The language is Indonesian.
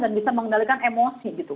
dan bisa mengendalikan emosi gitu